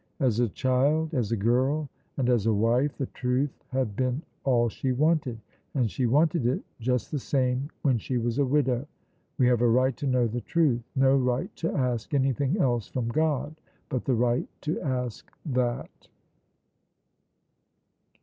As a child, as a girl, and as a wife, the truth had been all she wanted, and she wanted it just the same when she was a widow. We have a right to know the truth; no right to ask anything else from God, but the right to ask that.